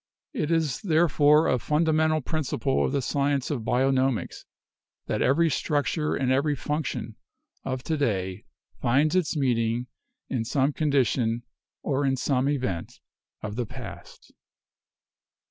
It is therefore a fundamental principle of the science of bionomics that every structure and every func tion of to day finds its meaning in some condition or in some event of the past.